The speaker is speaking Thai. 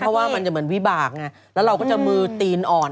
เพราะว่ามันจะเหมือนวิบากไงแล้วเราก็จะมือตีนอ่อน